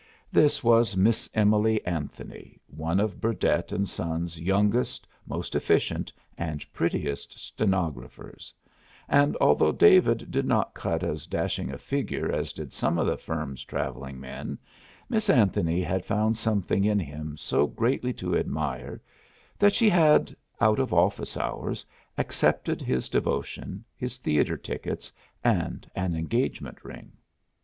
This was Miss Emily Anthony, one of Burdett and Sons' youngest, most efficient, and prettiest stenographers, and although David did not cut as dashing a figure as did some of the firm's travelling men, Miss Anthony had found something in him so greatly to admire that she had, out of office hours, accepted his devotion, his theatre tickets, and an engagement ring.